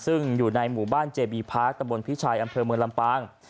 ซึ่งอยู่ในหมู่บ้านเจบีพาร์คตะบนพิชัยอำเภอเมืองลำปาง